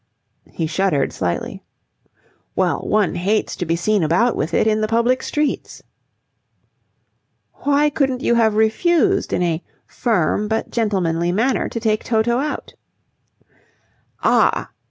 He shuddered slightly. "Well, one hates to be seen about with it in the public streets." "Why couldn't you have refused in a firm but gentlemanly manner to take Toto out?" "Ah!